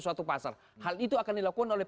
suatu pasar hal itu akan dilakukan oleh